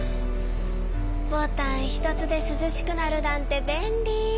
ボタンひとつですずしくなるなんて便利！